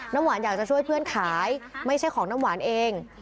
น้ำหวานอยากจะช่วยเพื่อนขายไม่ใช่ของน้ำหวานเอง